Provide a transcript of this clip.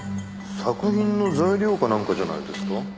作品の材料かなんかじゃないですか？